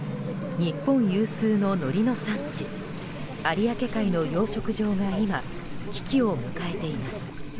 日本有数ののりの産地有明海の養殖場が今危機を迎えています。